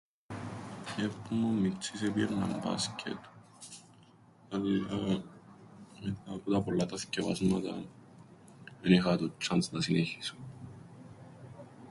Που 'μουν μιτσής επήαιννα μπάσκετ, αλλά μετά που τα πολλά τα θκιαβάσματα εν είχα το τσ̆ανς να συνεχίσω.